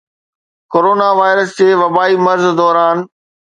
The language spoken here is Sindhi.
ڪرونا وائرس جي وبائي مرض دوران